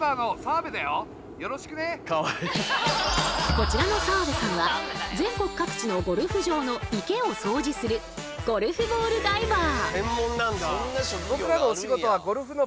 こちらの澤部さんは全国各地のゴルフ場の池を掃除するゴルフボールダイバー。